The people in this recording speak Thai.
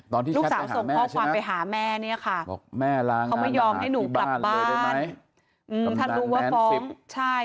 ตอนที่แชทไปหาแม่ใช่ไหมบอกแม่ล้างานหลาดที่บ้านเลยได้มั้ย